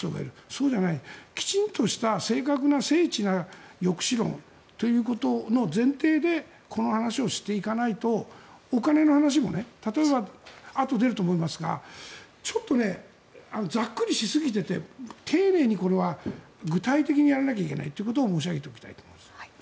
そうじゃないきちんとした正確な精緻な抑止論という前提でこの話をしていかないとお金の話も例えばあとで出ると思いますがちょっと、ざっくりしすぎていて丁寧にこれは具体的にやらないといけないということを申し上げておきたいです。